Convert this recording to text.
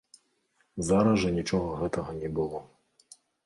Зараз жа нічога гэтага не было.